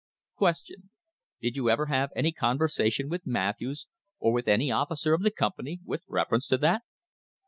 ... Q. Did you ever have any conversation with Matthews or with any officer of the company with reference to that